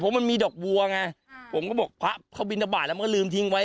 มันมีดอกบัวไงผมก็บอกพระเขาบินทบาทแล้วมันก็ลืมทิ้งไว้